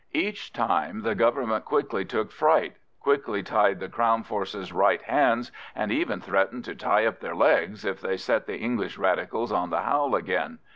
Each time the Government quickly took fright, quickly tied the Crown forces' right hands, and even threatened to tie up their legs if they set the English Radicals on the howl again.